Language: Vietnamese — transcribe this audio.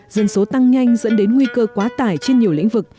dân số tăng nhanh dẫn đến nguy cơ quá tải trên nhiều lĩnh vực